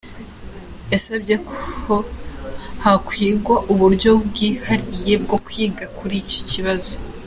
Yasabye ko hakwigwa uburyo bwihariye bwo kwiga kuri icyo kibazo.